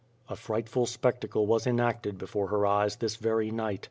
A frightful spectacle was enacted before her eyes this very night.